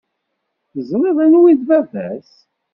Teẓriḍ anwa i d baba-s?